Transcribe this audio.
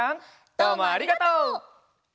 どうもありがとう！